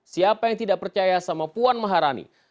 siapa yang tidak percaya sama puan maharani